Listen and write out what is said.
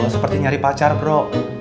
seperti nyari pacar bro